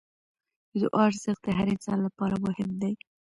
د دعا ارزښت د هر انسان لپاره مهم دی.